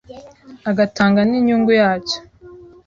agatanga n’inyungu yacyo,